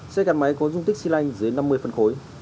xe càn máy có dung tích xe lanh dưới năm mươi phần khối